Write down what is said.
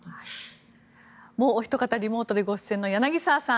もうお一方リモートでご出演の柳澤さん